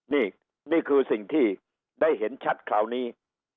นี่นี่คือสิ่งที่ได้เห็นชัดคราวนี้